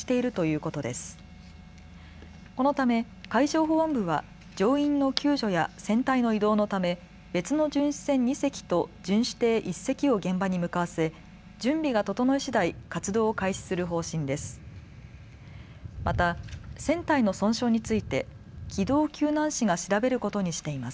このため海上保安部は乗員の救助や船体の移動のため別の巡視船２隻と巡視艇１隻を現場に向かわせ準備が整いしだい活動を開始する方針です。